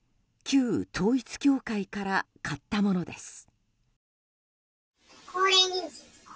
旧統一教会から買ったものです。